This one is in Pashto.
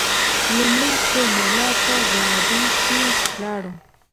لومړي څو میله په ګاډیو کې ولاړو.